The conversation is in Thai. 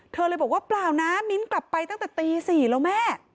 เธอเลยบอกว่าเปล่านะมิ้นกลับไปตั้งแต่ตี๔แล้วแม่